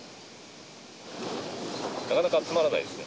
なかなか集まらないですね。